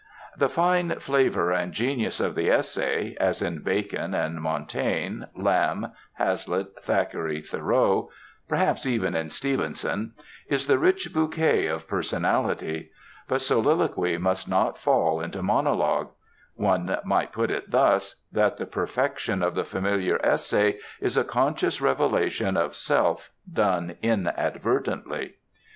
The fine flavor and genius of the essay as in Bacon and Montaigne, Lamb, Hazlitt, Thackeray, Thoreau; perhaps even in Stevenson is the rich bouquet of personality. But soliloquy must not fall into monologue. One might put it thus: that the perfection of the familiar essay is a conscious revelation of self done inadvertently.